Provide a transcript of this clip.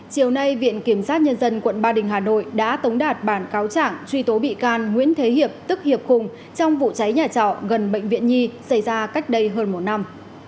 chiều nay viện kiểm sát nhân dân quận ba đình hà nội đã tống đạt bản cáo chẳng truy tố bị can nguyễn thế hiệp tức hiệp hùng trong vụ cháy nhà trọ gần bệnh viện nhi xảy ra cách đây hơn một năm